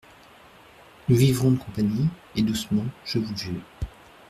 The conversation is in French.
Nous vivrons de compagnie, et doucement, je vous le jure.